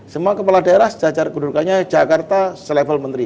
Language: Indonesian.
semua kepala daerah sejajar pendudukannya jakarta selevel menteri